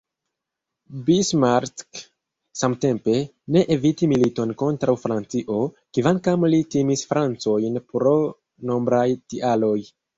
Bismarck, samtempe, ne eviti militon kontraŭ Francio, kvankam li timis Francojn pro nombraj tialoj.